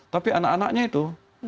tapi anak anaknya itu